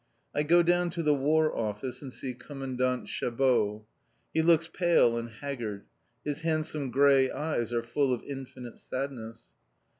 I go down to the War Office and see Commandant Chabeau. He looks pale and haggard. His handsome grey eyes are full of infinite sadness.